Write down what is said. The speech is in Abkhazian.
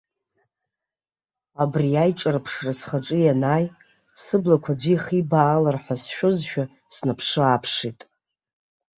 Абри аиҿырԥшра схаҿы ианааи, сыблақәа аӡәы ихибаалар ҳәа сшәозшәа, саанаԥшы-ааԥшит.